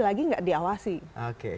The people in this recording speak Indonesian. lagi gak diawasi oke